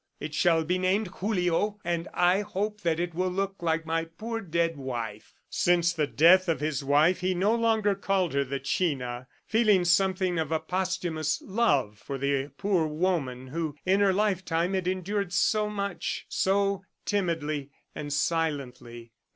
It shall be named Julio, and I hope that it will look like my poor dead wife." Since the death of his wife he no longer called her the China, feeling something of a posthumous love for the poor woman who in her lifetime had endured so much, so timidly and silently.